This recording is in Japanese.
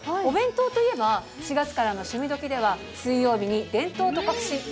お弁当といえば４月からの「趣味どきっ！」では水曜日に「伝統と革新！